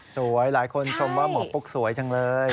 หลายคนชมว่าหมอปุ๊กสวยจังเลย